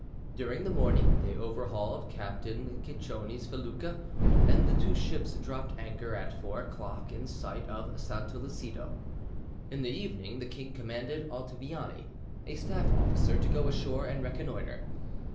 During the morning they overhauled Captain Cicconi's felucca, and the two ships dropped anchor at four o'clock in sight of Santo Lucido. In the evening the king commanded Ottoviani, a staff officer, to go ashore and reconnoitre.